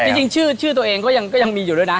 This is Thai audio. จริงชื่อตัวเองก็ยังมีอยู่ด้วยนะ